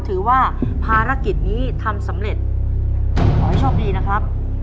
ถือว่าภารกิจนี้ทำสำเร็จขอให้โชคดีนะครับ